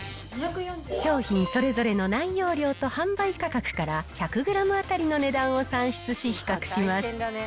商品それぞれの内容量と販売価格から１００グラム当たりの値段を算出し比較します。